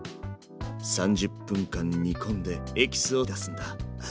３０分間煮込んでエキスを出すんだ。